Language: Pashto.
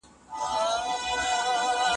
د ترکِ دونیا لپاره نه